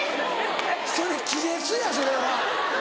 それ気絶やそれは！